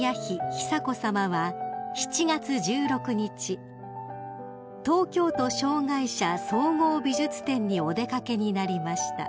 久子さまは７月１６日東京都障害者総合美術展にお出掛けになりました］